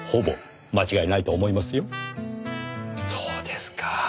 そうですか。